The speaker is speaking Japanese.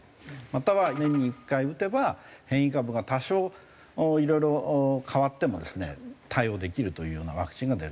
または年に１回打てば変異株が多少色々変わってもですね対応できるというようなワクチンが出るという。